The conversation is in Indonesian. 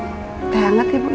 aku akan buat teh hangat ya ibu ya